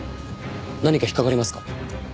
何か引っかかりますか？